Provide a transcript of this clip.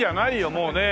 もうね。